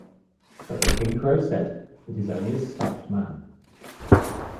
But the King Crow said, "It is only a stuffed man".